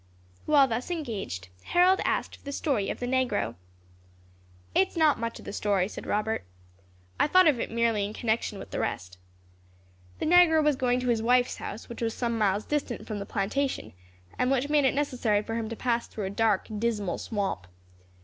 While thus engaged, Harold asked for the story of the negro. "It is not much of a story," said Robert; "I thought of it merely in connection with the rest. The negro was going to his wife's house, which was some miles distant from the plantation, and which made it necessary for him to pass through a dark, dismal swamp.